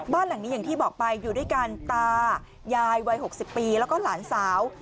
บ้านหลังนี้อย่างที่บอกไปอยู่ด้วยกันตายายวัย๖๐ปีแล้วก็หลานสาว